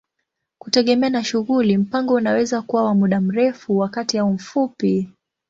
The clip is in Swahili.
Kutegemea na shughuli, mpango unaweza kuwa wa muda mrefu, wa kati au mfupi.